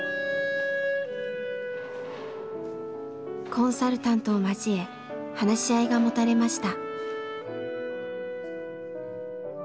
コンサルタントを交え話し合いが持たれました。